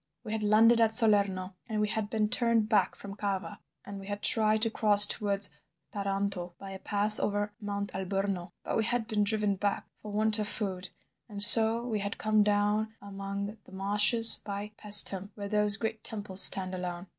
We had landed at Salerno, and we had been turned back from Cava, and we had tried to cross towards Taranto by a pass over Mount Alburno, but we had been driven back for want of food, and so we had come down among the marshes by Paestum, where those great temples stand alone.